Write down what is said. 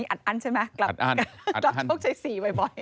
อัดอั้นใช่ไหมกลับโชคชัย๔บ่อย